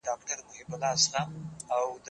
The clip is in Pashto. زه به سبا سړو ته خواړه ورکوم!.